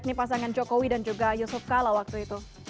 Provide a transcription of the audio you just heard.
bowi dan juga yusuf kala waktu itu